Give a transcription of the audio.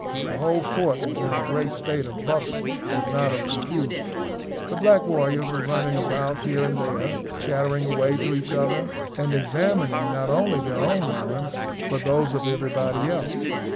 The whole fort was in a great state of bustle, if not of confusion. The black warriors were running about here and there, chattering away to each other, and examining not only their own arms, but those of everybody else.